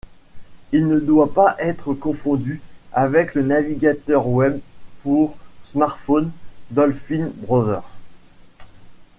Il ne doit pas être confondu avec le navigateur web pour smartphones Dolphin Browser.